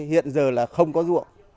hiện giờ là không có ruộng